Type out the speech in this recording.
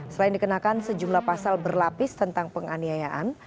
selain dikenakan sejumlah pasal berlapis tentang penganiayaan